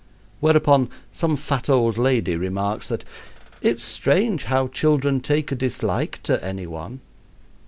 Whereupon some fat old lady remarks that "it's strange how children take a dislike to any one."